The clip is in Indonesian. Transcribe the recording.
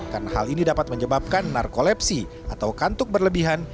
karena hal ini dapat menyebabkan narkolepsi atau kantuk berlebihan